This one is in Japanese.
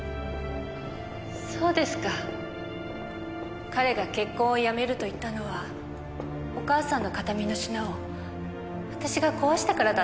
そうですか彼が結婚をやめると言ったのはお母さんの形見の品を私が壊したからだったんですね。